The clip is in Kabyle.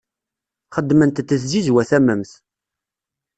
Xeddment-d tzizwa tamemt.